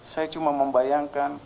saya cuma membayangkan